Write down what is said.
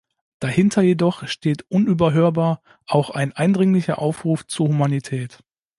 Dahinter jedoch steht unüberhörbar auch ein eindringlicher Aufruf zur Humanität.